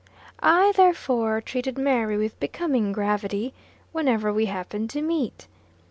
I, therefore, treated Mary with becoming gravity, whenever we happened to meet.